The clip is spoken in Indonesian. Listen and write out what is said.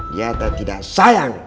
dia tak tidak sayang